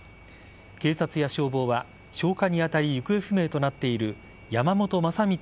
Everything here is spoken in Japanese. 警察や消防は消火に当たり行方不明となっている山本将光